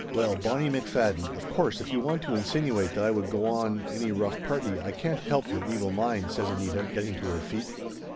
"Well, Bonnie McFadden, of course if you want to insinuate that I would go on any rough party I can't help your evil mind," says Anita, getting to her feet.